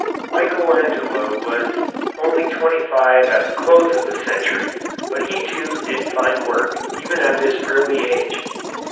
Michael Angelo was only twenty five at the close of the century, but he, too, did fine work, even at this early age.